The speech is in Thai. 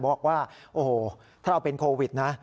บอกว่าโอ้โหถ้าเราเป็นโควิดนะ